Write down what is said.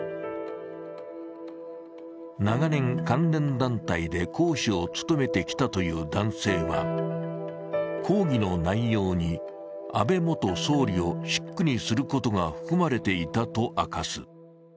長年、関連団体で講師を務めてきたという男性は講義の内容に安倍元総理を食口にすることが含まれていたと明かす。